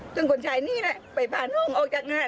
ซึ่งคนชายนี่แหละไปพาน้องออกจากงาน